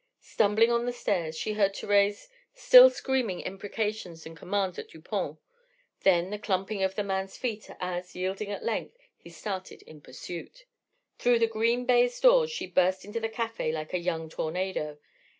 Stumbling on the stairs, she heard Thérèse still screaming imprecations and commands at Dupont, then the clumping of the man's feet as, yielding at length, he started in pursuit. Through the green baize door she burst into the café like a young tornado.